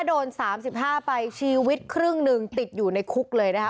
โดน๓๕ไปชีวิตครึ่งหนึ่งติดอยู่ในคุกเลยนะคะ